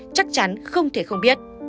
chắc chắn không thể không biết